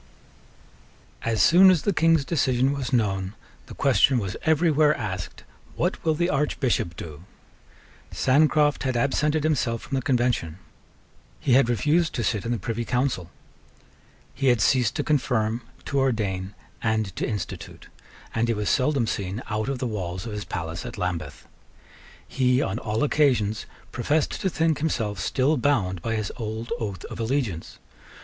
As soon as the King's decision was known, the question was every where asked, What will the Archbishop do? Sancroft had absented himself from the Convention: he had refused to sit in the Privy Council: he had ceased to confirm, to ordain, and to institute; and he was seldom seen out of the walls of his palace at Lambeth. He, on all occasions, professed to think himself still bound by his old oath of allegiance.